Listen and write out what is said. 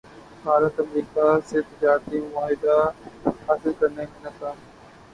بھارت امریکا سے تجارتی معاہدہ حاصل کرنے میں ناکام